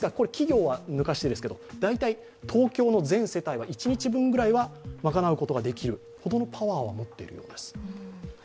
企業は抜かしてですけど、大体、東京の全世帯は一日分くらいはまかなうことができるほどのパワーは持ってるようです。